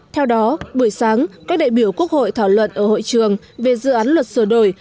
theo đó buổi sáng các đại biểu quốc hội thảo luận ở hội trường về dự án luật sửa đổi